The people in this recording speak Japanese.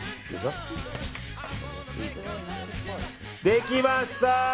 できました！